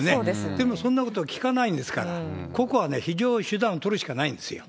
でも、そんなことは聞かないんですから、ここは非常手段を取るしかないんですよ。